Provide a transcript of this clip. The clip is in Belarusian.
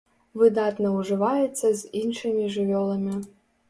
Выдатна ўжываецца з іншымі жывёламі.